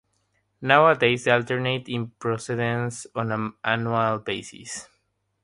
Nowadays, they alternate in precedence on an annual basis.